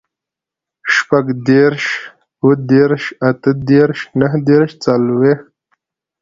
شپوږدېرش, اوهدېرش, اتهدېرش, نهدېرش, څلوېښت